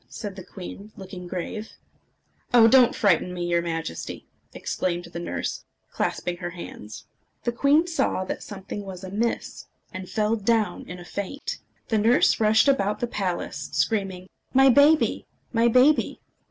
said the queen, looking grave. "Oh! don't frighten me, your Majesty!" exclaimed the nurse, clasping her hands. The queen saw that something was amiss, and fell down in a faint. The nurse rushed about the palace, screaming, "My baby! my baby!"